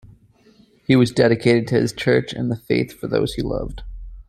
He was dedicated to his Church and the faith for those he loved.